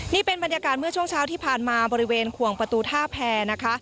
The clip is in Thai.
นี่เป็นบรรยากาศเมื่อช่วงเช้าที่ผ่านมาบริเวณขวงประตูท่าแพรนะคะ